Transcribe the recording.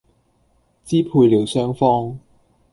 支配了雙方